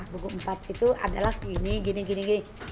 buku empat itu adalah gini gini gini